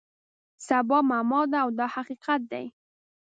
سبا معما ده دا حقیقت دی.